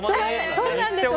そうなんです